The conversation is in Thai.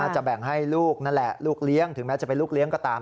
จะแบ่งให้ลูกนั่นแหละลูกเลี้ยงถึงแม้จะเป็นลูกเลี้ยงก็ตาม